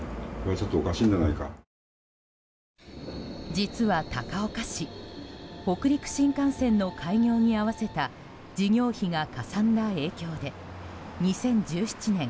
実は、高岡市北陸新幹線の開業に合わせた事業費がかさんだ影響で２０１７年